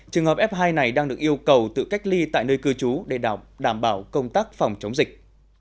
trường hợp f hai này đang được yêu cầu tự cách ly tại nơi cư trú để đảm bảo công tác phòng chống dịch